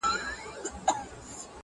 • څوک چی خپل کسب پرېږدي دا ور پېښېږي -